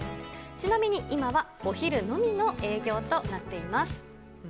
ちなみに今はお昼のみの営業となっています。